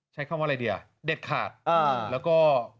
ใช้คำว่าอะไรดีอ่ะเด็ดขาดแล้วก็